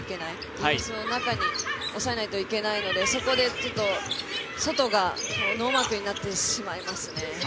ディフェンスの中に抑えないといけないのでそこで外がノーマークになってしまいますね。